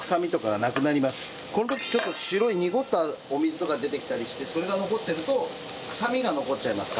この時白い濁ったお水とか出てきたりしてそれが残ってるとくさみが残っちゃいますから。